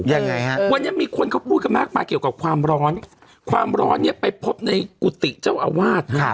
ยังไงฮะวันนี้มีคนเขาพูดกันมากมายเกี่ยวกับความร้อนความร้อนเนี้ยไปพบในกุฏิเจ้าอาวาสฮะ